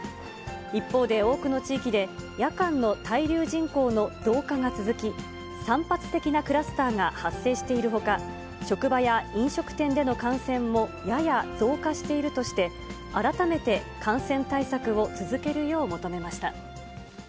一方で、多くの地域で、夜間の滞留人口の増加が続き、散発的なクラスターが発生しているほか、職場や飲食店での感染もやや増加しているとして、改めて感染対策を続けるよう求めました。